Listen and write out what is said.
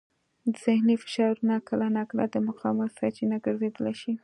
ذهني فشارونه کله ناکله د مقاومت سرچینه ګرځېدای شي.